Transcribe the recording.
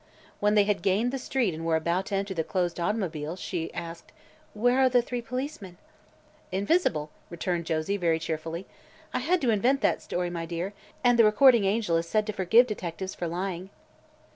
When they had gained the street and were about to enter the closed automobile she asked: "Where are the three policemen?" "Invisible," returned Josie, very cheerfully. "I had to invent that story, my dear, and the Recording Angel is said to forgive detectives for lying."